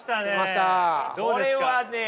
これはねえ